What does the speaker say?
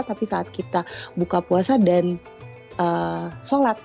tapi saat kita buka puasa dan sholat